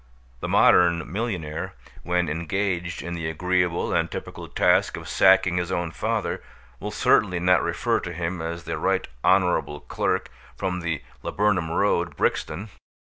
The modern millionaire, when engaged in the agreeable and typical task of sacking his own father, will certainly not refer to him as the right honorable clerk from the Laburnum Road, Brixton.